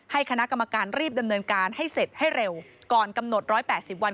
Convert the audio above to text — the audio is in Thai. คณะกรรมการรีบดำเนินการให้เสร็จให้เร็วก่อนกำหนด๑๘๐วัน